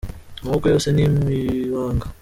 Amaboko yose ni imibanga